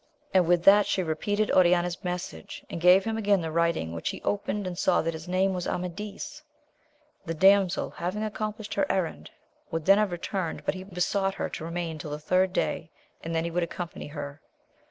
And with that she repeated Oriana's message, and gave him again the writing, which he opened, and saw that his name was Amadis. The damsel having ac complished her errand, would then have returned, but he besought her to remain till the third day, and then he would accompany her.